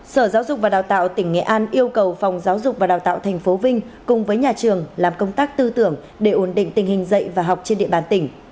sở giáo dục và đào tạo tỉnh nghệ an yêu cầu phòng giáo dục và đào tạo tp vinh cùng với nhà trường làm công tác tư tưởng để ổn định tình hình dạy và học trên địa bàn tỉnh